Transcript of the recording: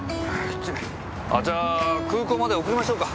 あじゃあ空港まで送りましょうか？